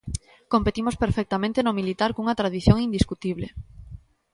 Competimos perfectamente no militar cunha tradición indiscutible.